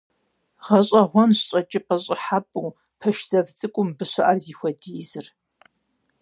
ГъэщӀэгъуэнщ щӀэкӀыпӀэ-щӀыхьэпӀэу, пэш зэв цӀыкӀуу мыбы щыӀэр зыхуэдизыр.